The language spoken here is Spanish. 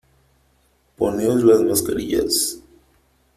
poneos las mascarillas .